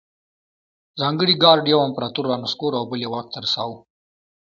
ځانګړي ګارډ یو امپرتور رانسکور او بل یې واک ته رساوه